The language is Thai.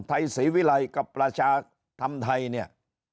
ไทยศรีวิรัยกับประชาธรรมไทยเนี่ย